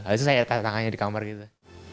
habis itu saya kata tangannya di kamar gitu